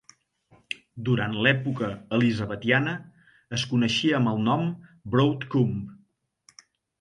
Durant l'època elisabetiana es coneixia amb el nom Broad Coombe.